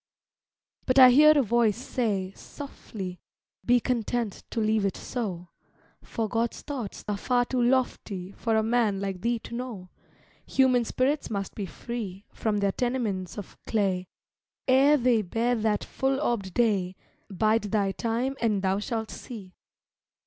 But I hear a voice say, softly, "Be content to leave it so, For God's thoughts are far too lofty For a man like thee to know; Human spirits must be free From their tenements of clay, Ere they bear that full orbed day, Bide thy time and thou shalt see."